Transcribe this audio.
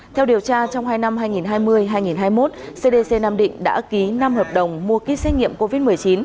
theo điều tra trong hai năm hai nghìn hai mươi hai nghìn hai mươi một cdc nam định đã ký năm hợp đồng mua kýt xét nghiệm covid một mươi chín